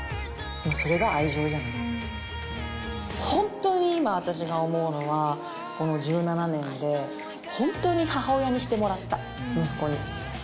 本当に今私が思うのはこの１７年で本当に母親にしてもらった息子に。